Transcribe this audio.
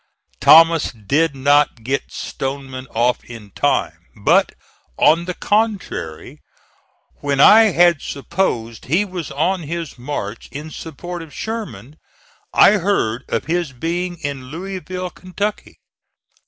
Thomas did not get Stoneman off in time, but, on the contrary, when I had supposed he was on his march in support of Sherman I heard of his being in Louisville, Kentucky.